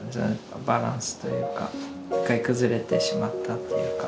バランスというか一回崩れてしまったっていうか。